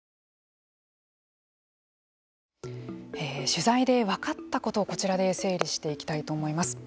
取材で分かったことをこちらで整理していきたいと思います。